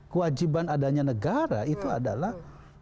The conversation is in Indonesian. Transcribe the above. kewajiban adanya negara itu adalah